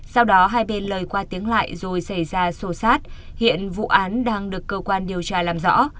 sau đó hai bên lời qua tiếng lại rồi xảy ra sô sát hiện vụ án đang được cơ quan điều tra làm rõ